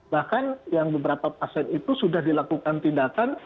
bahkan yang beberapa pasien itu sudah dilakukan tindakan